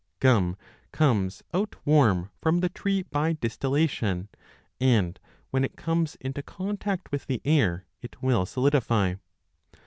Gum comes out warm from the tree by distillation, and, when it comes into contact with the air, it will solidify.